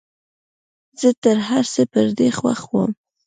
زه تر هرڅه پر دې خوښ وم.